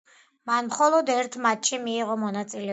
მან მხოლოდ ერთ მატჩში მიიღო მონაწილეობა.